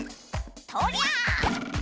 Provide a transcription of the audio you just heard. とりゃあ！